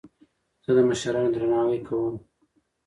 زه د مشرانو درناوی کوم.